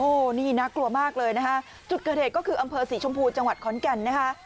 โอ้นี่น่ากลัวมากเลยนะคะจุดเกล็ดก็คืออำเภอสีชมพูจังหวัดขอนกัญ